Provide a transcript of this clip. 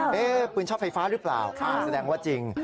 มันไม่ใช่ปืนชอบไฟฟ้าหรือเปล่าแสดงว่าจริง